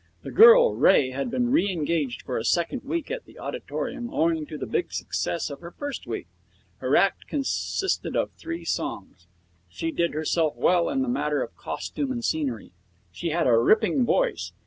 The girl, Ray, had been re engaged for a second week at the Auditorium, owing to the big success of her first week. Her act consisted of three songs. She did herself well in the matter of costume and scenery. She had a ripping voice.